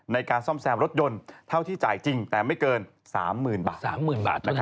ในการซ่อมแซมรถยนต์เท่าที่จ่ายจริงแต่ไม่เกิน๓๐๐๐๐บาท